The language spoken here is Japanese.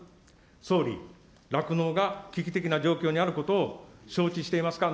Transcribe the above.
総理、酪農が危機的な状況にあることを、承知していますか。